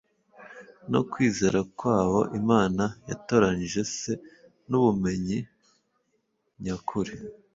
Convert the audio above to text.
no kwizera kw abo Imana yatoranyije c n ubumenyi nyakuri